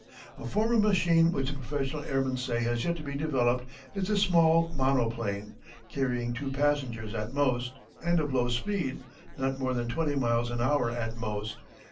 A form of machine which the professional airmen say has yet to be developed is the small monoplane, carrying two passengers at most, and of low speed not more than twenty miles an hour at most.